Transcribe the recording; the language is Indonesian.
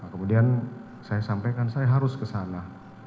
kemudian saya sampaikan saya harus kesana